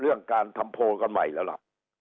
เรื่องการทำโพลกันใหม่แล้วล่ะ